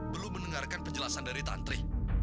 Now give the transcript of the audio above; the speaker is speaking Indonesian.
belum mendengarkan penjelasan dari tantri